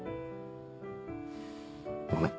ごめん。